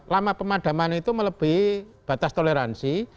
lama pemadaman itu melebihi batas toleransi